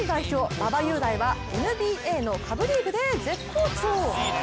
馬場雄大は、ＮＢＡの下部リーグで絶好調！